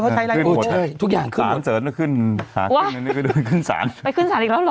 เขาใช้ไลโอหมดทุกอย่างขึ้นขึ้นขึ้นสารไปขึ้นสารอีกแล้วหรอ